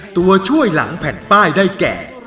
ตัวช่วยหลังแผ่นป้ายได้แก่